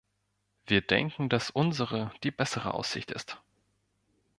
Wir denken, dass unsere die bessere Aussicht ist.